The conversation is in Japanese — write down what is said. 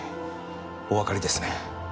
おわかりですね。